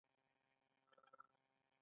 په دې کې تعلیمي کار په دریو دورو ویشل شوی.